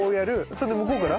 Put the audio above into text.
それで向こうから？